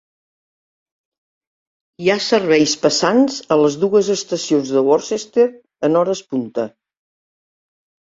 Hi ha serveis passants a les dues estacions de Worcester en hores punta.